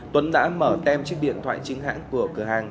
tuấn đã mở tem chiếc điện thoại chính hãng của cửa hàng